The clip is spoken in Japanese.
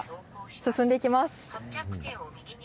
進んでいきます。